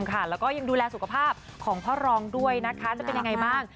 และก็ยังดูแลสุขภาพของพ่อรองด้วยจะเป็นอย่างไรมั่ง